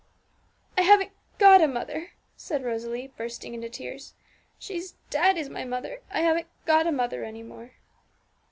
'I haven't got a mother!' said Rosalie, bursting into tears; 'she's dead, is my mother. I haven't got a mother any more.'